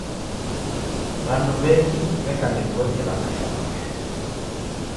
W'andu w'endi w'eka ndengonyi elaghasha maisha.